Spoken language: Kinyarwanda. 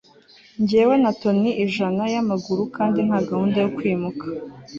njyewe na toni ijana yamaguru kandi nta gahunda yo kwimuka